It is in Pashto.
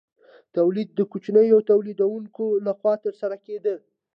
تولید د کوچنیو تولیدونکو لخوا ترسره کیده.